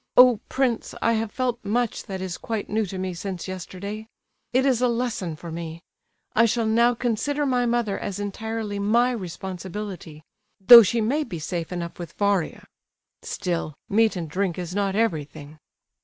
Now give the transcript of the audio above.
Oh, prince, I have felt much that is quite new to me since yesterday! It is a lesson for me. I shall now consider my mother as entirely my responsibility; though she may be safe enough with Varia. Still, meat and drink is not everything."